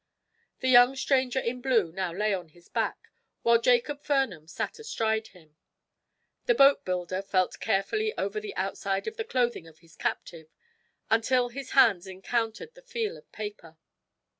The young stranger in blue now lay on his back, while Jacob Farnum sat astride of him. The boatbuilder felt carefully over the outside of the clothing of his captive, until his hands encountered the feel of paper.